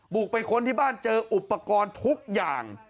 บุกไปค้นที่บ้านเจออุปกรณ์ทุกอย่าง